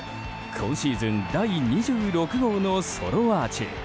今シーズン第２６号のソロアーチ。